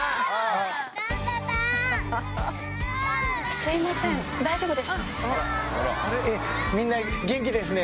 すいません大丈夫ですか？